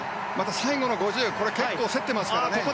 最後の５０も結構競っていますからね。